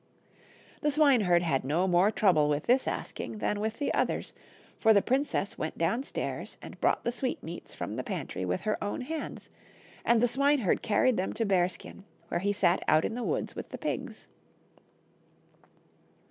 The swineherd had no more trouble with this asking than with the others, for the princess went down stairs and brought the sweetmeats from the pantry with her own hands, and the swineherd carried them to Bearskin where he sat out in the woods with the pigs.